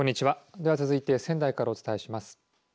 では続いて仙台からお伝えします。